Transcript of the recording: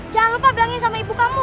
jangan lupa bilangin sama ibu kamu